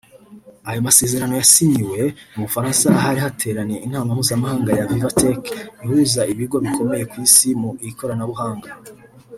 Ayo masezerano yasinyiwe mu Bufaransa ahari hateraniye inama mpuzamahanga ya VivaTech ihuza ibigo bikomeye ku isi mu ikoranabuhanga